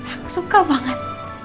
aku suka banget